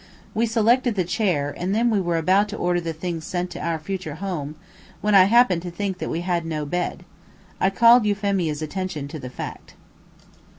We selected the chair, and then we were about to order the things sent out to our future home, when I happened to think that we had no bed. I called Euphemia's attention to the fact.